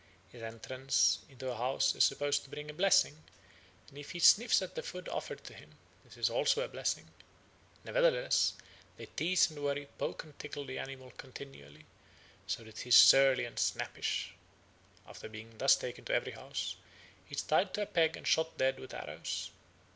His entrance into a house is supposed to bring a blessing; and if he snuffs at the food offered to him, this also is a blessing. Nevertheless they tease and worry, poke and tickle the animal continually, so that he is surly and snappish. After being thus taken to every house, he is tied to a peg and shot dead with arrows.